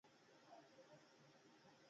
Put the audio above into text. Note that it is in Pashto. دوی له وریجو سره زعفران کاروي.